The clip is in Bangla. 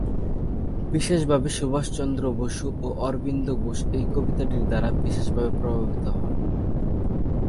বিশেষভাবে সুভাষচন্দ্র বসু ও অরবিন্দ ঘোষ এই কবিতাটির দ্বারা বিশেষভাবে প্রভাবিত হন।